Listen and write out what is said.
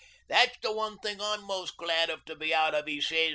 That's the one thing I'm most glad to be out of," 'e sez.